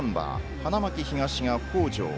花巻東が北條。